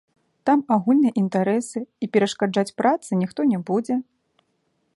Там агульныя інтарэсы, і перашкаджаць працы ніхто не будзе.